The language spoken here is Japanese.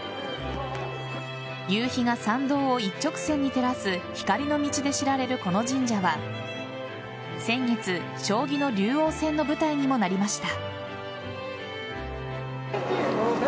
夕日が参道を一直線に照らす光の道で知られるこの神社は先月、将棋の竜王戦の舞台にもなりました。